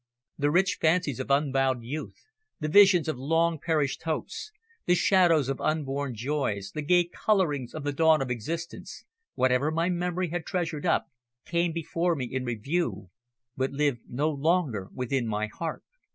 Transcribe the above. The rich fancies of unbowed youth, the visions of long perished hopes, the shadows of unborn joys, the gay colourings of the dawn of existence what ever my memory had treasured up, came before me in review, but lived no longer within my heart.